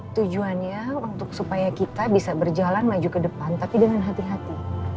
tujuannya untuk supaya kita bisa berjalan maju ke depan tapi dengan hati hati